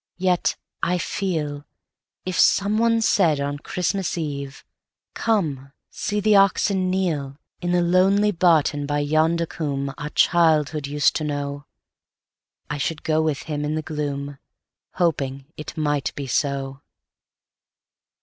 Yet, I feel, If someone said on Christmas Eve, "Come; see the oxen kneel,"In the lonely barton by yonder coomb Our childhood used to know,"I should go with him in the gloom, Hoping it might be so.